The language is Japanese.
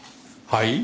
はい？